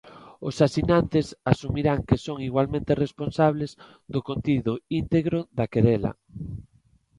Os asinantes asumirán que son "igualmente responsables do contido integro da querela".